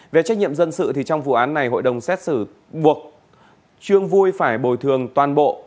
về trách nhiệm dân sự thì trong vụ án này hội đồng xét xử buộc trương vui phải bồi thường toàn bộ